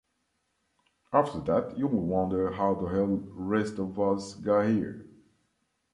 After that you'll wonder how the hell rest of us got here.